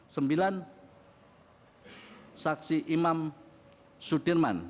sembilan saksi imam sudirman